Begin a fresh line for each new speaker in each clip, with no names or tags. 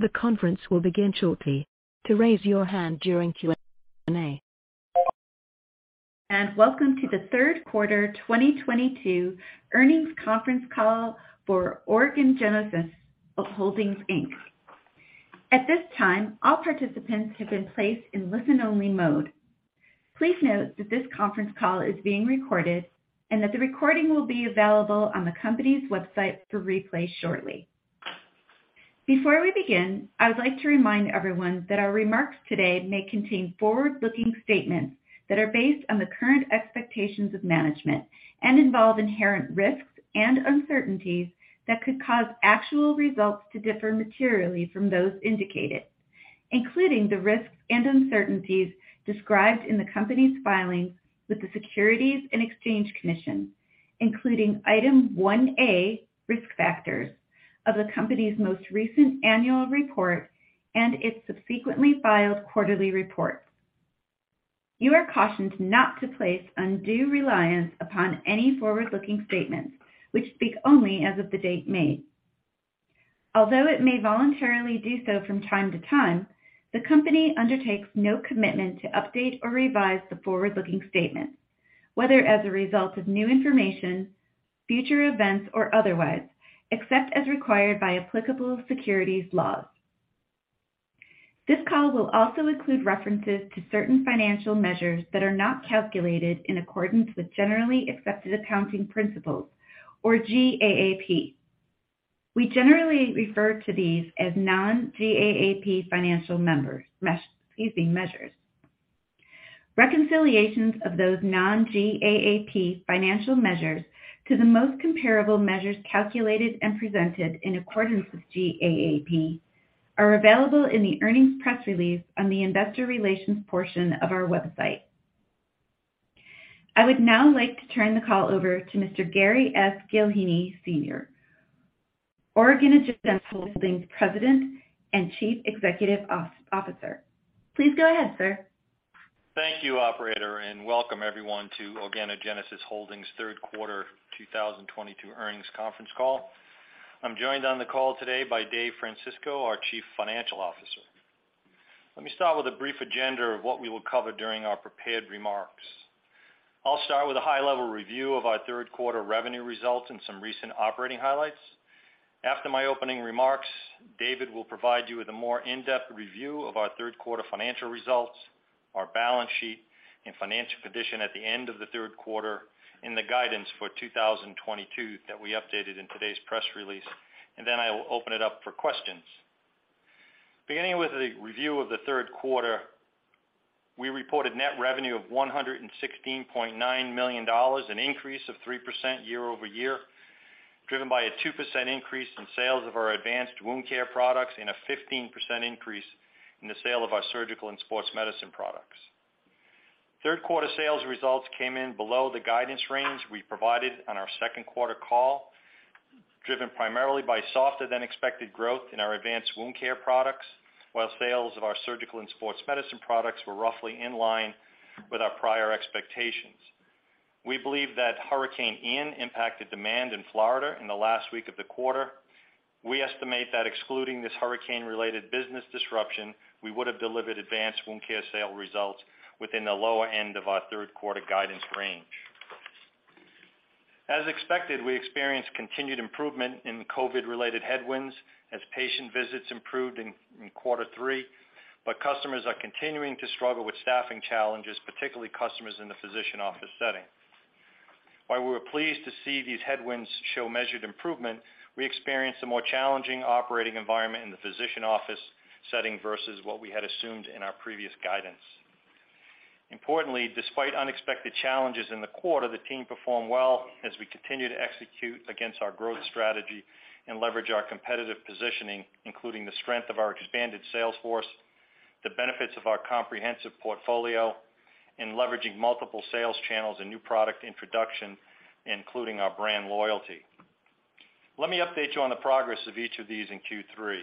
The conference will begin shortly. Welcome to the third quarter 2022 earnings conference call for Organogenesis Holdings Inc. At this time, all participants have been placed in listen-only mode. Please note that this conference call is being recorded and that the recording will be available on the company's website for replay shortly. Before we begin, I would like to remind everyone that our remarks today may contain forward-looking statements that are based on the current expectations of management and involve inherent risks and uncertainties that could cause actual results to differ materially from those indicated, including the risks and uncertainties described in the company's filings with the Securities and Exchange Commission, including Item 1A, Risk Factors, of the company's most recent annual report and its subsequently filed quarterly reports. You are cautioned not to place undue reliance upon any forward-looking statements which speak only as of the date made. Although it may voluntarily do so from time to time, the company undertakes no commitment to update or revise the forward-looking statements, whether as a result of new information, future events or otherwise, except as required by applicable securities laws. This call will also include references to certain financial measures that are not calculated in accordance with generally accepted accounting principles or GAAP. We generally refer to these as non-GAAP financial measures. Reconciliations of those non-GAAP financial measures to the most comparable measures calculated and presented in accordance with GAAP are available in the earnings press release on the investor relations portion of our website. I would now like to turn the call over to Mr. Gary S. Gillheeney, Sr. Gillheeney, Sr., Organogenesis Holdings President and Chief Executive Officer. Please go ahead, sir.
Thank you, operator, and welcome everyone to Organogenesis Holdings third quarter 2022 earnings conference call. I'm joined on the call today by David C. Francisco, our Chief Financial Officer. Let me start with a brief agenda of what we will cover during our prepared remarks. I'll start with a high-level review of our third quarter revenue results and some recent operating highlights. After my opening remarks, David will provide you with a more in-depth review of our third quarter financial results, our balance sheet and financial position at the end of the third quarter, and the guidance for 2022 that we updated in today's press release, and then I will open it up for questions. Beginning with the review of the third quarter, we reported net revenue of $116.9 million, an increase of 3% year-over-year, driven by a 2% increase in sales of our advanced wound care products and a 15% increase in the sales of our surgical and sports medicine products. Third quarter sales results came in below the guidance range we provided on our second quarter call, driven primarily by softer than expected growth in our advanced wound care products, while sales of our surgical and sports medicine products were roughly in line with our prior expectations. We believe that Hurricane Ian impacted demand in Florida in the last week of the quarter. We estimate that excluding this hurricane-related business disruption, we would have delivered advanced wound care sales results within the lower end of our third quarter guidance range. As expected, we experienced continued improvement in COVID-related headwinds as patient visits improved in quarter three. Customers are continuing to struggle with staffing challenges, particularly customers in the physician office setting. While we were pleased to see these headwinds show measured improvement, we experienced a more challenging operating environment in the physician office setting versus what we had assumed in our previous guidance. Importantly, despite unexpected challenges in the quarter, the team performed well as we continue to execute against our growth strategy and leverage our competitive positioning, including the strength of our expanded sales force, the benefits of our comprehensive portfolio and leveraging multiple sales channels and new product introduction, including our brand loyalty. Let me update you on the progress of each of these in Q3.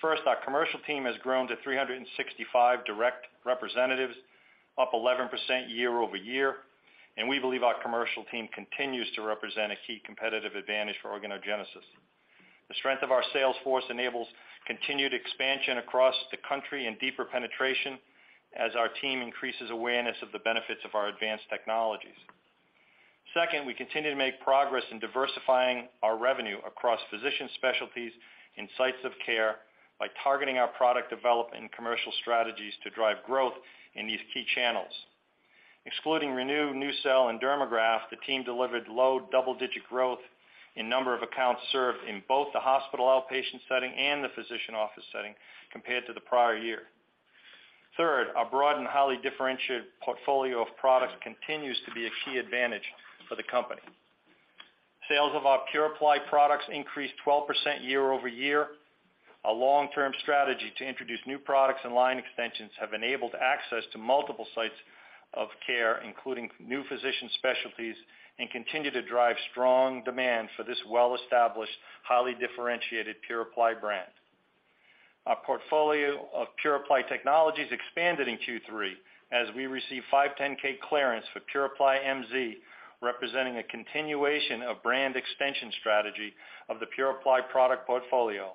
First, our commercial team has grown to 365 direct representatives, up 11% year-over-year, and we believe our commercial team continues to represent a key competitive advantage for Organogenesis. The strength of our sales force enables continued expansion across the country and deeper penetration as our team increases awareness of the benefits of our advanced technologies. Second, we continue to make progress in diversifying our revenue across physician specialties and sites of care by targeting our product development and commercial strategies to drive growth in these key channels. Excluding ReNu, NuCel and Dermagraft, the team delivered low double-digit growth in number of accounts served in both the hospital outpatient setting and the physician office setting compared to the prior year. Third, our broad and highly differentiated portfolio of products continues to be a key advantage for the company. Sales of our PuraPly products increased 12% year-over-year. A long-term strategy to introduce new products and line extensions have enabled access to multiple sites of care, including new physician specialties, and continue to drive strong demand for this well-established, highly differentiated PuraPly brand. Our portfolio of PuraPly technologies expanded in Q3 as we received 510(k) clearance for PuraPly MZ, representing a continuation of brand extension strategy of the PuraPly product portfolio.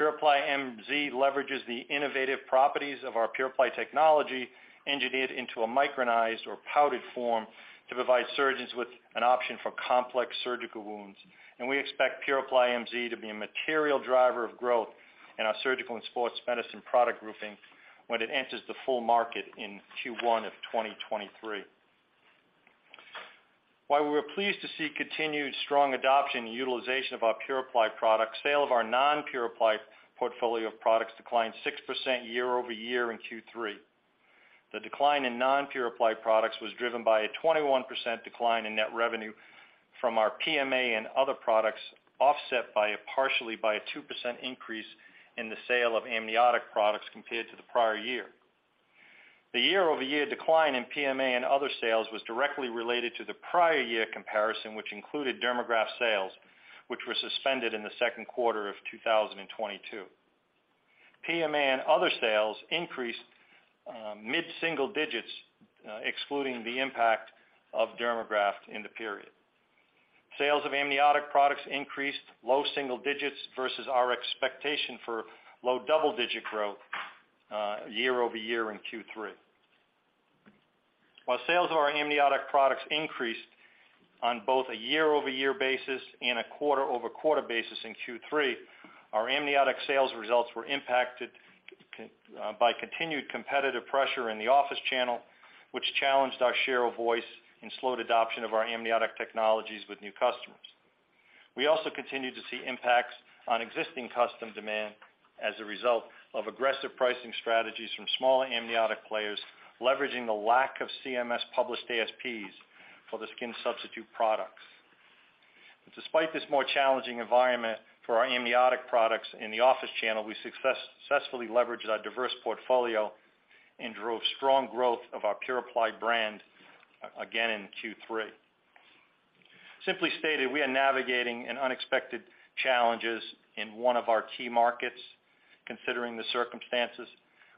PuraPly MZ leverages the innovative properties of our PuraPly technology engineered into a micronized or powdered form to provide surgeons with an option for complex surgical wounds. We expect PuraPly MZ to be a material driver of growth in our surgical and sports medicine product grouping when it enters the full market in Q1 of 2023. While we were pleased to see continued strong adoption and utilization of our PuraPly product, sales of our non-PuraPly portfolio of products declined 6% year-over-year in Q3. The decline in non-PuraPly products was driven by a 21% decline in net revenue from our PMA and other products, offset partially by a 2% increase in the sales of amniotic products compared to the prior year. The year-over-year decline in PMA and other sales was directly related to the prior year comparison, which included Dermagraft sales, which were suspended in the second quarter of 2022. PMA and other sales increased mid-single digits excluding the impact of Dermagraft in the period. Sales of amniotic products increased low single digits versus our expectation for low double-digit growth year-over-year in Q3. While sales of our amniotic products increased on both a year-over-year basis and a quarter-over-quarter basis in Q3, our amniotic sales results were impacted by continued competitive pressure in the office channel, which challenged our share of voice in slowed adoption of our amniotic technologies with new customers. We also continued to see impacts on existing custom demand as a result of aggressive pricing strategies from smaller amniotic players, leveraging the lack of CMS published ASPs for the skin substitute products. Despite this more challenging environment for our amniotic products in the office channel, we successfully leveraged our diverse portfolio and drove strong growth of our PuraPly brand again in Q3. Simply stated, we are navigating in unexpected challenges in one of our key markets considering the circumstances.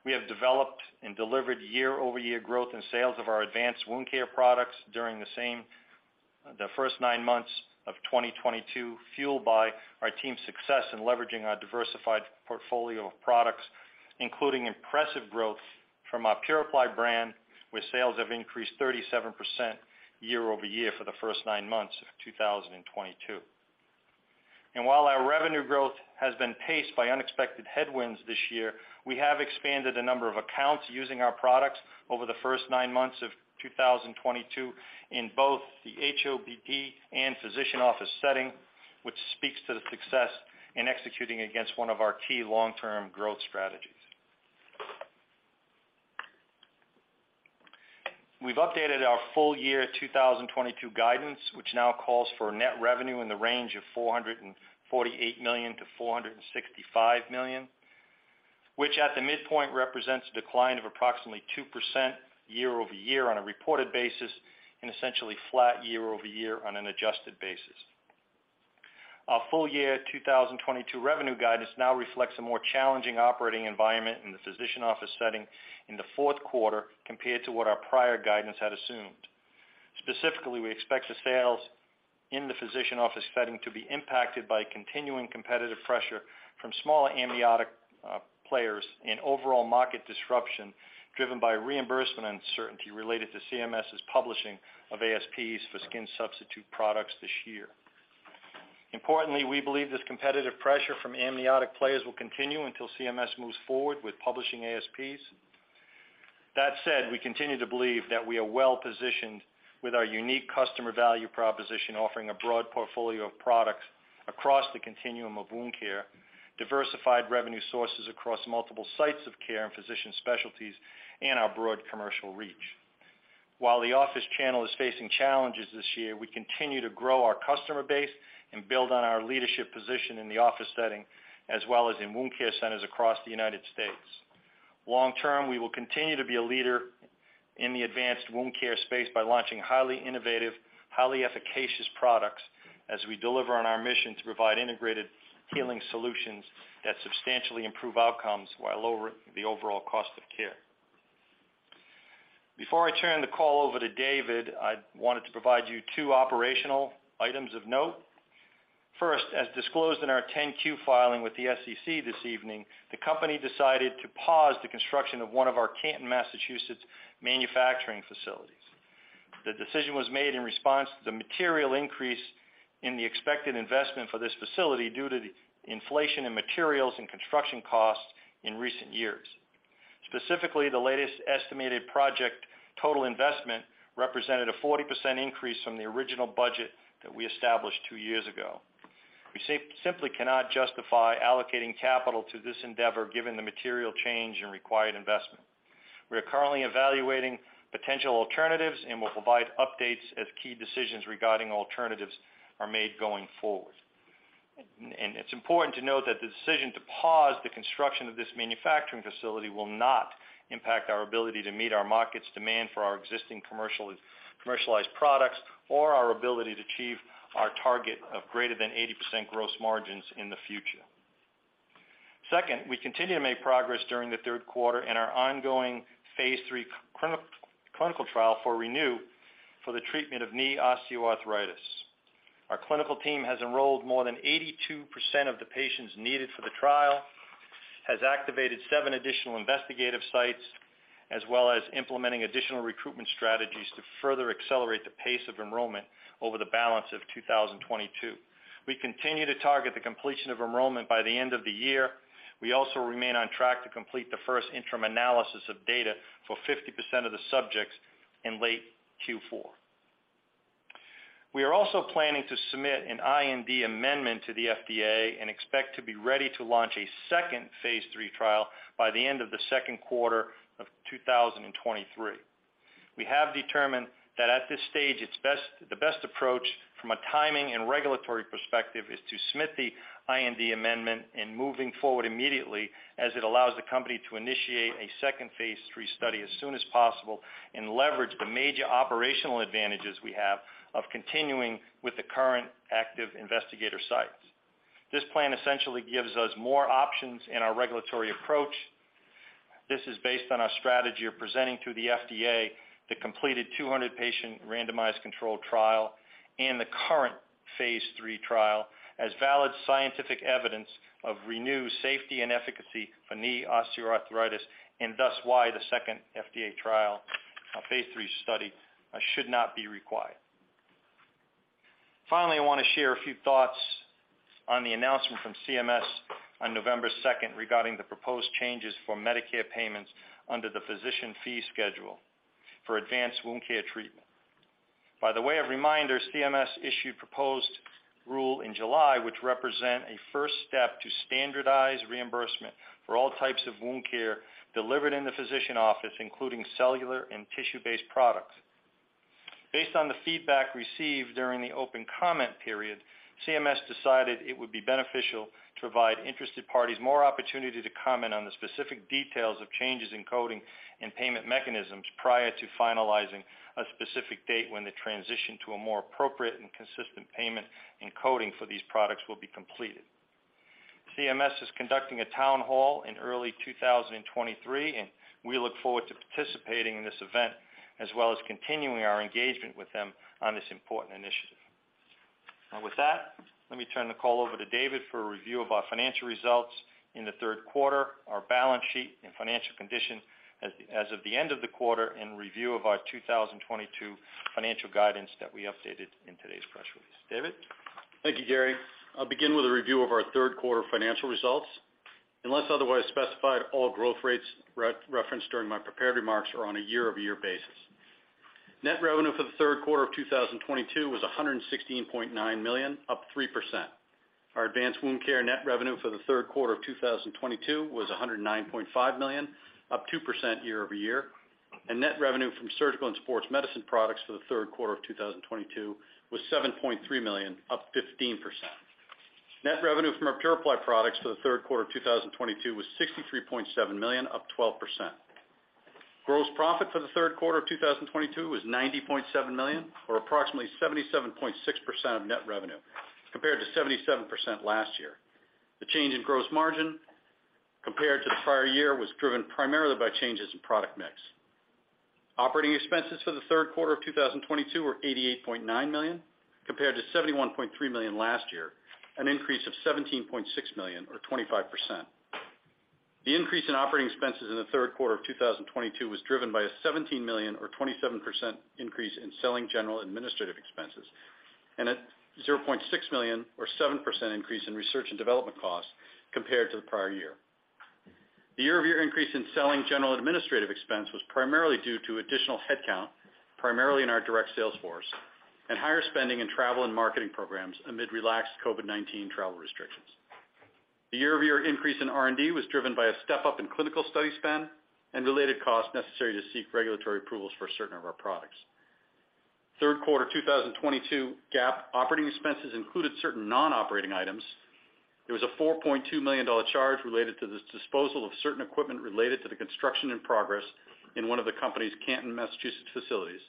We have developed and delivered year-over-year growth in sales of our advanced wound care products during the first nine months of 2022, fueled by our team's success in leveraging our diversified portfolio of products, including impressive growth from our PuraPly brand, where sales have increased 37% year-over-year for the first nine months of 2022. While our revenue growth has been paced by unexpected headwinds this year, we have expanded the number of accounts using our products over the first nine months of 2022 in both the HOPD and physician office setting, which speaks to the success in executing against one of our key long-term growth strategies. We've updated our full year 2022 guidance, which now calls for net revenue in the range of $448 million-$465 million, which at the midpoint represents a decline of approximately 2% year-over-year on a reported basis and essentially flat year-over-year on an adjusted basis. Our full year 2022 revenue guidance now reflects a more challenging operating environment in the physician office setting in the fourth quarter compared to what our prior guidance had assumed. Specifically, we expect the sales in the physician office setting to be impacted by continuing competitive pressure from smaller amniotic players and overall market disruption driven by reimbursement uncertainty related to CMS's publishing of ASPs for skin substitute products this year. Importantly, we believe this competitive pressure from amniotic players will continue until CMS moves forward with publishing ASPs. That said, we continue to believe that we are well positioned with our unique customer value proposition, offering a broad portfolio of products across the continuum of wound care, diversified revenue sources across multiple sites of care and physician specialties, and our broad commercial reach. While the office channel is facing challenges this year, we continue to grow our customer base and build on our leadership position in the office setting, as well as in wound care centers across the United States. Long term, we will continue to be a leader in the advanced wound care space by launching highly innovative, highly efficacious products as we deliver on our mission to provide integrated healing solutions that substantially improve outcomes while lowering the overall cost of care. Before I turn the call over to David, I wanted to provide you two operational items of note. First, as disclosed in our 10-Q filing with the SEC this evening, the company decided to pause the construction of one of our Canton, Massachusetts manufacturing facilities. The decision was made in response to the material increase in the expected investment for this facility due to the inflation in materials and construction costs in recent years. Specifically, the latest estimated project total investment represented a 40% increase from the original budget that we established two years ago. We simply cannot justify allocating capital to this endeavor given the material change in required investment. We are currently evaluating potential alternatives and will provide updates as key decisions regarding alternatives are made going forward. It's important to note that the decision to pause the construction of this manufacturing facility will not impact our ability to meet our market's demand for our existing commercialized products or our ability to achieve our target of greater than 80% gross margins in the future. Second, we continue to make progress during the third quarter in our ongoing phase III clinical trial for ReNu for the treatment of knee osteoarthritis. Our clinical team has enrolled more than 82% of the patients needed for the trial, has activated 7 additional investigational sites, as well as implementing additional recruitment strategies to further accelerate the pace of enrollment over the balance of 2022. We continue to target the completion of enrollment by the end of the year. We also remain on track to complete the first interim analysis of data for 50% of the subjects in late Q4. We are also planning to submit an IND amendment to the FDA and expect to be ready to launch a second Phase III trial by the end of the second quarter of 2023. We have determined that at this stage, it's the best approach from a timing and regulatory perspective is to submit the IND amendment and moving forward immediately as it allows the company to initiate a second Phase III study as soon as possible and leverage the major operational advantages we have of continuing with the current active investigator sites. This plan essentially gives us more options in our regulatory approach. This is based on our strategy of presenting to the FDA the completed 200-patient randomized controlled trial and the current phase three trial as valid scientific evidence of ReNu's safety and efficacy for knee osteoarthritis, and thus why the second FDA trial, a phase three study, should not be required. Finally, I want to share a few thoughts on the announcement from CMS on November second regarding the proposed changes for Medicare payments under the physician fee schedule for advanced wound care treatment. By way of reminder, CMS issued proposed rule in July, which represent a first step to standardize reimbursement for all types of wound care delivered in the physician office, including cellular and tissue-based products. Based on the feedback received during the open comment period, CMS decided it would be beneficial to provide interested parties more opportunity to comment on the specific details of changes in coding and payment mechanisms prior to finalizing a specific date when the transition to a more appropriate and consistent payment and coding for these products will be completed. CMS is conducting a town hall in early 2023, and we look forward to participating in this event as well as continuing our engagement with them on this important initiative. Now with that, let me turn the call over to David for a review of our financial results in the third quarter, our balance sheet and financial condition as of the end of the quarter, and review of our 2022 financial guidance that we updated in today's press release. David?
Thank you, Gary. I'll begin with a review of our third quarter financial results. Unless otherwise specified, all growth rates referenced during my prepared remarks are on a year-over-year basis. Net revenue for the third quarter of 2022 was $116.9 million, up 3%. Our advanced wound care net revenue for the third quarter of 2022 was $109.5 million, up 2% year-over-year. Net revenue from surgical and sports medicine products for the third quarter of 2022 was $7.3 million, up 15%. Net revenue from our PuraPly products for the third quarter of 2022 was $63.7 million, up 12%. Gross profit for the third quarter of 2022 was $90.7 million, or approximately 77.6% of net revenue, compared to 77% last year. The change in gross margin compared to the prior year was driven primarily by changes in product mix. Operating expenses for the third quarter of 2022 were $88.9 million, compared to $71.3 million last year, an increase of $17.6 million or 25%. The increase in operating expenses in the third quarter of 2022 was driven by a $17 million or 27% increase in selling general administrative expenses and a $0.6 million or 7% increase in research and development costs compared to the prior year. The year-over-year increase in selling general administrative expense was primarily due to additional headcount, primarily in our direct sales force, and higher spending in travel and marketing programs amid relaxed COVID-19 travel restrictions. The year-over-year increase in R&D was driven by a step-up in clinical study spend and related costs necessary to seek regulatory approvals for certain of our products. Third quarter 2022 GAAP operating expenses included certain non-operating items. There was a $4.2 million charge related to the disposal of certain equipment related to the construction in progress in one of the company's Canton, Massachusetts facilities.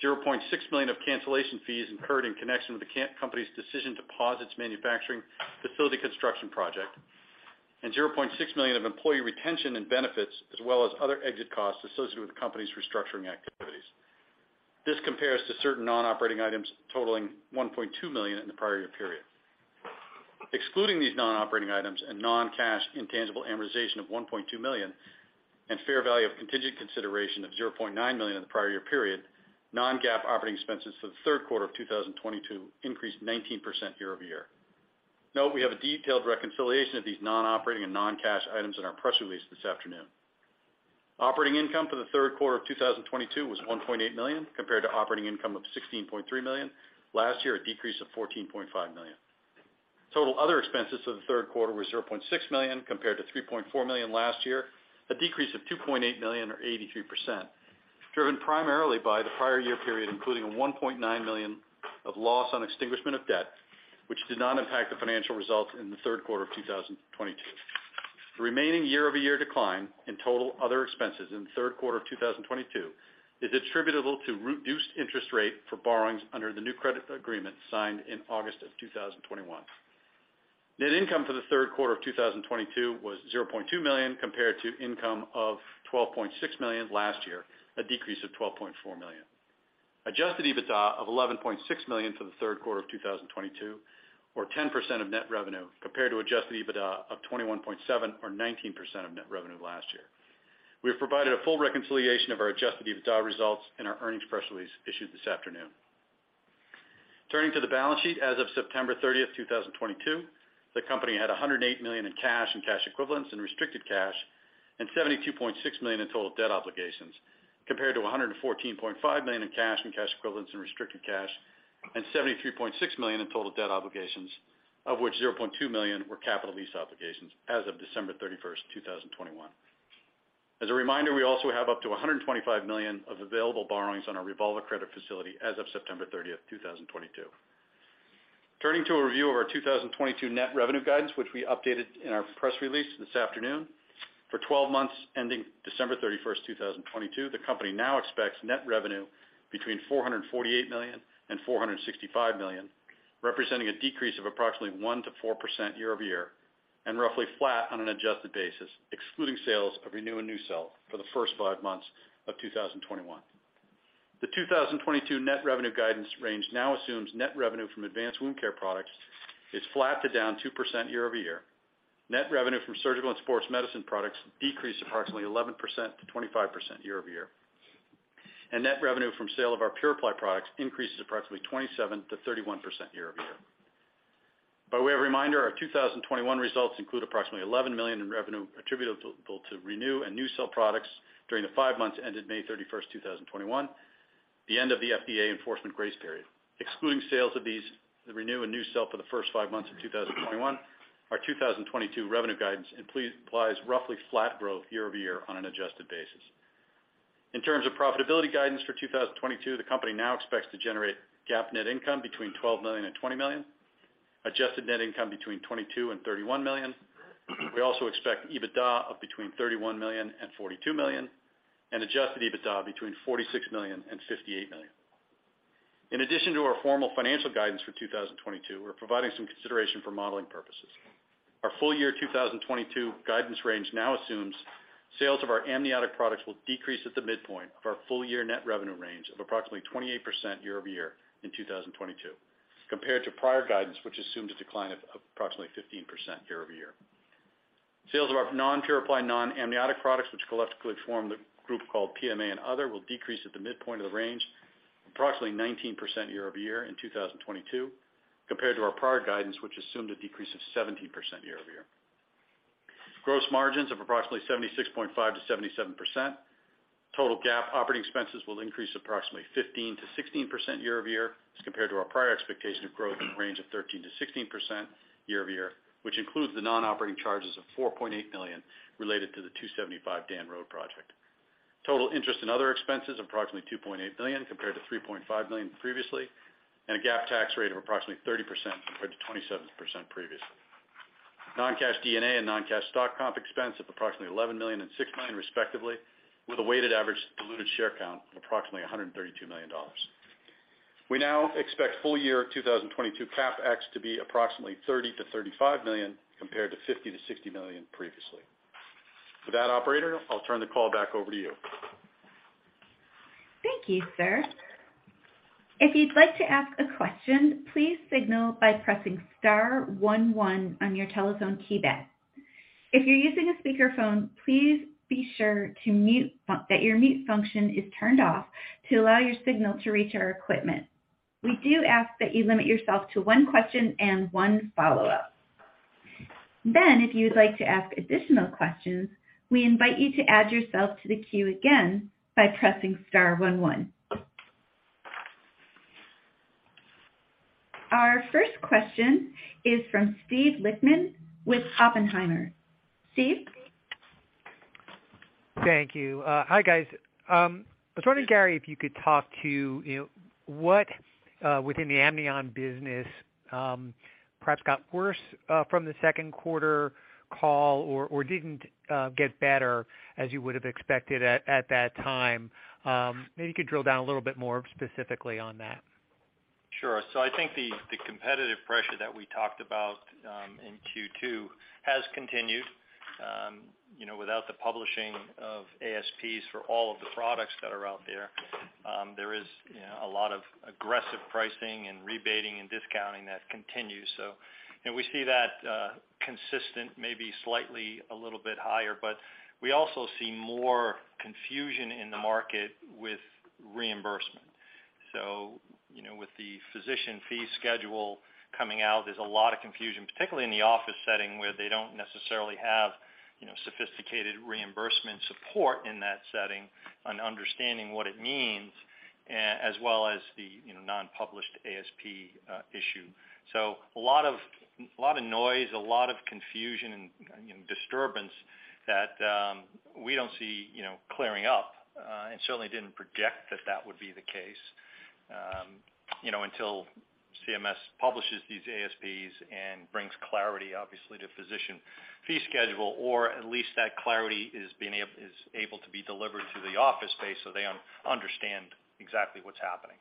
$0.6 million of cancellation fees incurred in connection with the company's decision to pause its manufacturing facility construction project, and $0.6 million of employee retention and benefits, as well as other exit costs associated with the company's restructuring activities. This compares to certain non-operating items totaling $1.2 million in the prior year period. Excluding these non-operating items and non-cash intangible amortization of $1.2 million and fair value of contingent consideration of $0.9 million in the prior year period, non-GAAP operating expenses for the third quarter of 2022 increased 19% year-over-year. Note, we have a detailed reconciliation of these non-operating and non-cash items in our press release this afternoon. Operating income for the third quarter of 2022 was $1.8 million, compared to operating income of $16.3 million last year, a decrease of $14.5 million. Total other expenses for the third quarter were $0.6 million, compared to $3.4 million last year, a decrease of $2.8 million or 83%, driven primarily by the prior year period, including a $1.9 million of loss on extinguishment of debt, which did not impact the financial results in the third quarter of 2022. The remaining year-over-year decline in total other expenses in the third quarter of 2022 is attributable to reduced interest rate for borrowings under the new credit agreement signed in August of 2021. Net income for the third quarter of 2022 was $0.2 million compared to income of $12.6 million last year, a decrease of $12.4 million. Adjusted EBITDA of $11.6 million for the third quarter of 2022 or 10% of net revenue compared to adjusted EBITDA of $21.7 million or 19% of net revenue last year. We have provided a full reconciliation of our adjusted EBITDA results in our earnings press release issued this afternoon. Turning to the balance sheet, as of September 30, 2022, the company had $108 million in cash and cash equivalents and restricted cash, and $72.6 million in total debt obligations, compared to $114.5 million in cash and cash equivalents and restricted cash, and $73.6 million in total debt obligations, of which $0.2 million were capital lease obligations as of December 31, 2021. As a reminder, we also have up to $125 million of available borrowings on our revolver credit facility as of September 30, 2022. Turning to a review of our 2022 net revenue guidance, which we updated in our press release this afternoon. For 12 months ending December 31, 2022, the company now expects net revenue between $448 million and $465 million, representing a decrease of approximately 1%-4% year-over-year and roughly flat on an adjusted basis, excluding sales of ReNu and NuCel for the first 5 months of 2021. The 2022 net revenue guidance range now assumes net revenue from advanced wound care products is flat to down 2% year-over-year. Net revenue from surgical and sports medicine products decreased approximately 11%-25% year over year, and net revenue from sale of our PuraPly products increases approximately 27%-31% year over year. By way of reminder, our 2021 results include approximately $11 million in revenue attributable to ReNu and NuCel products during the five months ended May 31, 2021, the end of the FDA enforcement grace period. Excluding sales of these ReNu and NuCel for the first five months of 2021, our 2022 revenue guidance implies roughly flat growth year over year on an adjusted basis. In terms of profitability guidance for 2022, the company now expects to generate GAAP net income between $12 million and $20 million, adjusted net income between $22 million and $31 million. We also expect EBITDA of between $31 million and $42 million and adjusted EBITDA between $46 million and $58 million. In addition to our formal financial guidance for 2022, we're providing some consideration for modeling purposes. Our full year 2022 guidance range now assumes sales of our amniotic products will decrease at the midpoint of our full year net revenue range of approximately 28% year-over-year in 2022, compared to prior guidance, which assumed a decline of approximately 15% year-over-year. Sales of our non-PuraPly non-amniotic products, which collectively form the group called PMA and other, will decrease at the midpoint of the range approximately 19% year-over-year in 2022, compared to our prior guidance, which assumed a decrease of 17% year-over-year. Gross margins of approximately 76.5%-77%. Total GAAP operating expenses will increase approximately 15%-16% year-over-year as compared to our prior expectation of growth in the range of 13%-16% year-over-year, which includes the non-operating charges of $4.8 million related to the 275 Dan Road project. Total interest and other expenses approximately $2.8 million compared to $3.5 million previously, and a GAAP tax rate of approximately 30% compared to 27% previously. Non-cash D&A and non-cash stock comp expense of approximately $11 million and $6 million respectively, with a weighted average diluted share count of approximately 132 million shares. We now expect full year 2022 CapEx to be approximately $30-$35 million compared to $50-$60 million previously. With that, operator, I'll turn the call back over to you.
Thank you, sir. If you'd like to ask a question, please signal by pressing star one one on your telephone keypad. If you're using a speakerphone, please be sure that your mute function is turned off to allow your signal to reach our equipment. We do ask that you limit yourself to one question and one follow-up. Then if you would like to ask additional questions, we invite you to add yourself to the queue again by pressing star one one. Our first question is from Steve Lichtman with Oppenheimer. Steve?
Thank you. Hi, guys. I was wondering, Gary, if you could talk to, you know, what within the amnion business perhaps got worse from the second quarter call or didn't get better as you would have expected at that time. Maybe you could drill down a little bit more specifically on that. Sure. I think the competitive pressure that we talked about in Q2 has continued. You know, without the publishing of ASPs for all of the products that are out there is, you know, a lot of aggressive pricing and rebating and discounting that continues. You know, we see that consistent, maybe slightly a little bit higher, but we also see more confusion in the market with reimbursement.
You know, with the Physician Fee Schedule coming out, there's a lot of confusion, particularly in the office setting, where they don't necessarily have, you know, sophisticated reimbursement support in that setting and understanding what it means, as well as the, you know, non-published ASP issue. A lot of noise, a lot of confusion and, you know, disturbance that we don't see clearing up, and certainly didn't project that would be the case, you know, until CMS publishes these ASPs and brings clarity, obviously, to Physician Fee Schedule, or at least that clarity is being is able to be delivered to the office space so they understand exactly what's happening.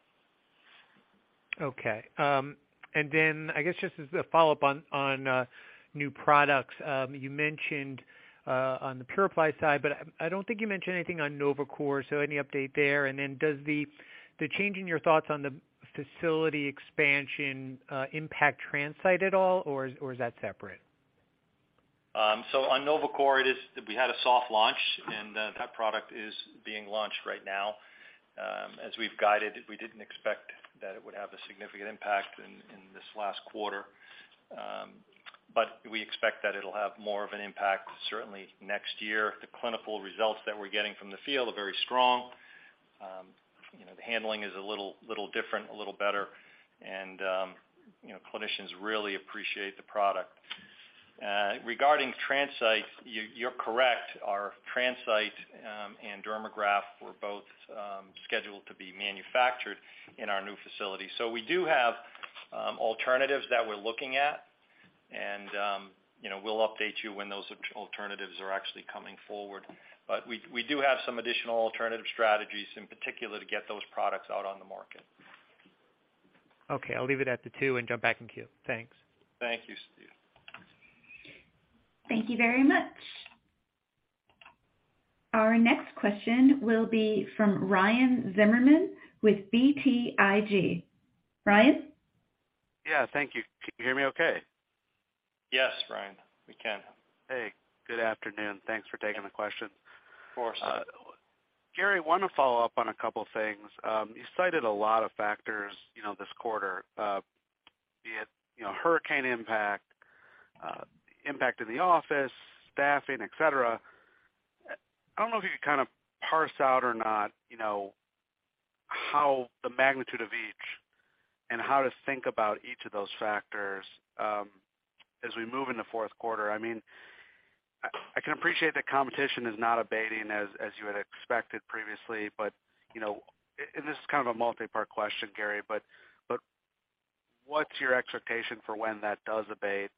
Okay. I guess just as a follow-up on new products, you mentioned on the PuraPly side, but I don't think you mentioned anything on NovaChor. Any update there? Does the change in your thoughts on the facility expansion impact TransCyte at all, or is that separate?
On NovaChor, we had a soft launch, and that product is being launched right now. As we've guided, we didn't expect that it would have a significant impact in this last quarter. We expect that it'll have more of an impact certainly next year. The clinical results that we're getting from the field are very strong. You know, the handling is a little different, a little better. You know, clinicians really appreciate the product. Regarding TransCyte, you're correct. Our TransCyte and Dermagraft were both scheduled to be manufactured in our new facility. We do have alternatives that we're looking at, and you know, we'll update you when those alternatives are actually coming forward. We do have some additional alternative strategies, in particular to get those products out on the market.
Okay. I'll leave it at the two and jump back in queue. Thanks.
Thank you, Steve.
Thank you very much. Our next question will be from Ryan Zimmerman with BTIG. Ryan?
Yeah, thank you. Can you hear me okay?
Yes, Ryan, we can.
Hey, good afternoon. Thanks for taking the questions.
Of course.
Gary, wanna follow up on a couple things. You cited a lot of factors, you know, this quarter, be it, you know, hurricane impact in the office, staffing, et cetera. I don't know if you could kinda parse out or not, you know, how the magnitude of each and how to think about each of those factors, as we move into fourth quarter. I mean, I can appreciate that competition is not abating as you had expected previously, but, you know, and this is kind of a multi-part question, Gary, but what's your expectation for when that does abate?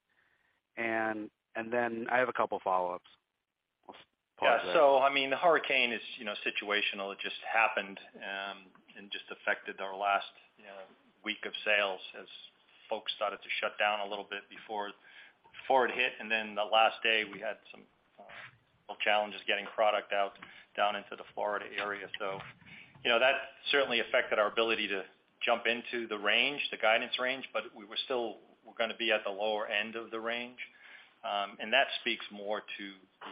Then I have a couple follow-ups.
Yeah. I mean, the hurricane is, you know, situational. It just happened and just affected our last, you know, week of sales as folks started to shut down a little bit before it hit. Then the last day, we had some challenges getting product out down into the Florida area. You know, that certainly affected our ability to jump into the range, the guidance range, but we were still gonna be at the lower end of the range. That speaks more to the,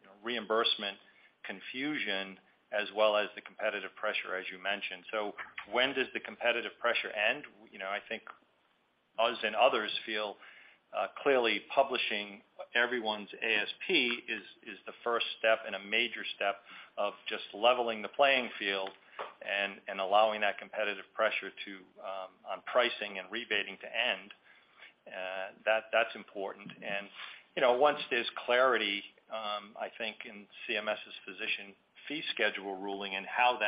you know, reimbursement confusion as well as the competitive pressure, as you mentioned. When does the competitive pressure end? You know, I think us and others feel clearly publishing everyone's ASP is the first step and a major step of just leveling the playing field and allowing that competitive pressure on pricing and rebating to end. That's important. You know, once there's clarity, I think, in CMS's Physician Fee Schedule ruling and how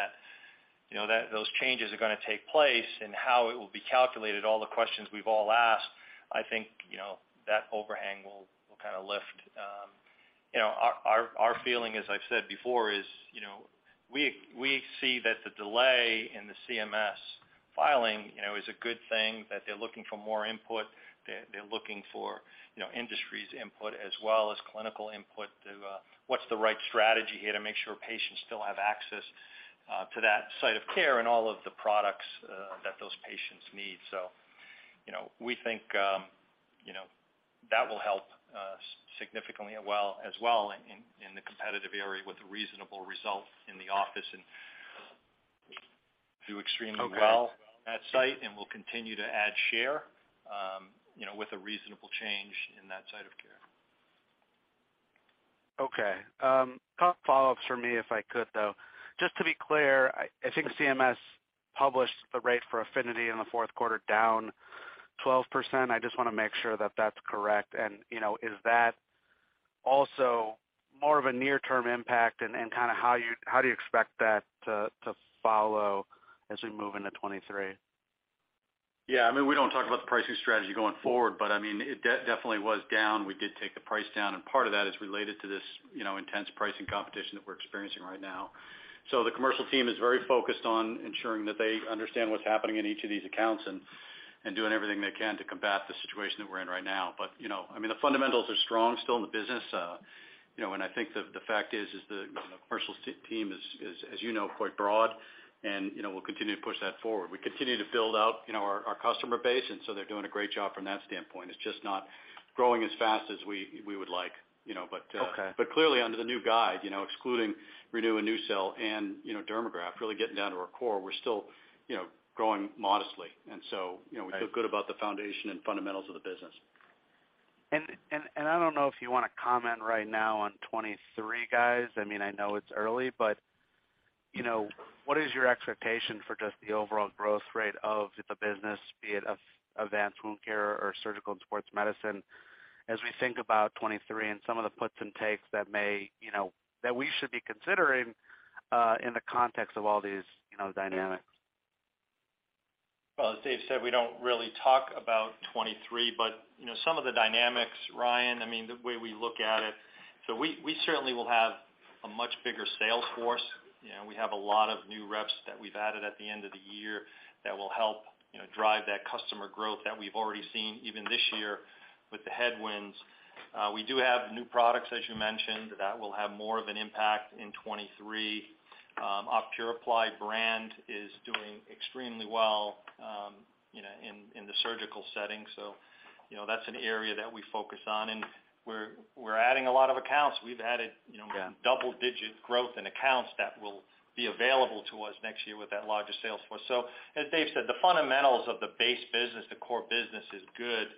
those changes are gonna take place and how it will be calculated, all the questions we've all asked, I think, you know, that overhang will kind of lift. You know, our feeling, as I've said before, is, you know, we see that the delay in the CMS filing, you know, is a good thing, that they're looking for more input. They're looking for, you know, industry's input as well as clinical input to what's the right strategy here to make sure patients still have access to that site of care and all of the products that those patients need. You know, we think that will help significantly as well in the competitive area with a reasonable result in the office and do extremely well at site, and we'll continue to add share with a reasonable change in that site of care.
Okay. Couple follow-ups for me, if I could, though. Just to be clear, I think CMS published the rate for Affinity in the fourth quarter down 12%. I just wanna make sure that that's correct. You know, is that also more of a near-term impact and kinda how do you expect that to follow as we move into 2023?
Yeah. I mean, we don't talk about the pricing strategy going forward, but I mean, it definitely was down. We did take the price down, and part of that is related to this, you know, intense pricing competition that we're experiencing right now. The commercial team is very focused on ensuring that they understand what's happening in each of these accounts and doing everything they can to combat the situation that we're in right now. You know, I mean, the fundamentals are strong still in the business. You know, I think the fact is the, you know, commercial team is, as you know, quite broad, and, you know, we'll continue to push that forward. We continue to build out, you know, our customer base, and so they're doing a great job from that standpoint. It's just not growing as fast as we would like, you know.
Okay.
Clearly, under the new guide, you know, excluding ReNu and NuCel and, you know, Dermagraft, really getting down to our core, we're still, you know, growing modestly. So, you know, we feel good about the foundation and fundamentals of the business.
I don't know if you wanna comment right now on 2023, guys. I mean, I know it's early, but, you know, what is your expectation for just the overall growth rate of the business, be it Advanced Wound Care or Surgical and Sports Medicine, as we think about 2023 and some of the puts and takes that may, you know, that we should be considering, in the context of all these, you know, dynamics?
Well, as David said, we don't really talk about 2023, but, you know, some of the dynamics, Ryan, I mean, the way we look at it, we certainly will have a much bigger sales force. You know, we have a lot of new reps that we've added at the end of the year that will help, you know, drive that customer growth that we've already seen even this year with the headwinds. We do have new products, as you mentioned, that will have more of an impact in 2023. PuraPly brand is doing extremely well, you know, in the surgical setting. That's an area that we focus on, and we're adding a lot of accounts. We've added, you know, double-digit growth in accounts that will be available to us next year with that larger sales force. As David said, the fundamentals of the base business, the core business is good.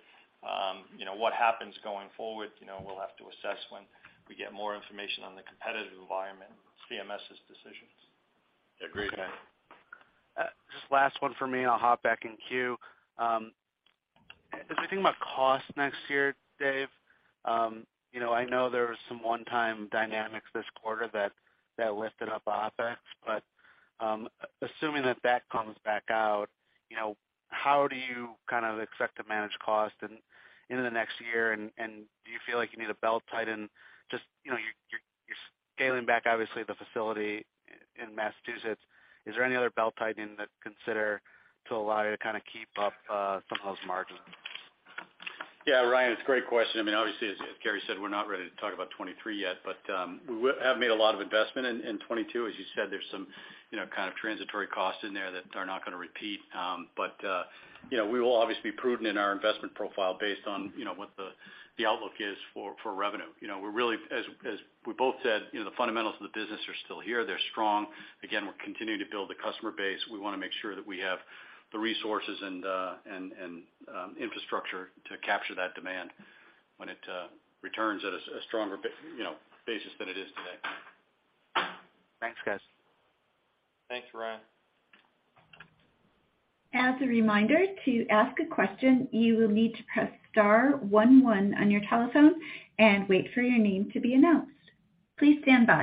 You know, what happens going forward, you know, we'll have to assess when we get more information on the competitive environment, CMS' decisions.
Yeah, agree.
Just last one for me, and I'll hop back in queue. As we think about cost next year, Dave, you know, I know there were some one-time dynamics this quarter that lifted up OpEx, but assuming that comes back out, you know, how do you kind of expect to manage cost in the next year? Do you feel like you need to belt-tighten? Just, you know, you're scaling back, obviously, the facility in Massachusetts. Is there any other belt-tightening that you consider to allow you to kind of keep up some of those margins?
Yeah. Ryan, it's a great question. I mean, obviously, as Gary said, we're not ready to talk about 2023 yet, but we have made a lot of investment in 2022. As you said, there's some, you know, kind of transitory costs in there that are not gonna repeat. But you know, we will obviously be prudent in our investment profile based on, you know, what the outlook is for revenue. You know, we're really, as we both said, you know, the fundamentals of the business are still here. They're strong. Again, we're continuing to build the customer base. We wanna make sure that we have the resources and the infrastructure to capture that demand when it returns at a stronger basis than it is today.
Thanks, guys.
Thanks, Ryan.
As a reminder, to ask a question, you will need to press star one one on your telephone and wait for your name to be announced. Please stand by.